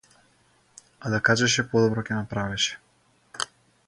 А да кажеше подобро ќе направеше.